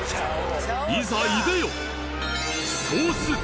いざいでよ！